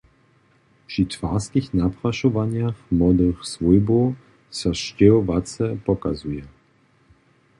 Při twarskich naprašowanjach młodych swójbow so sćěhowace pokazuje.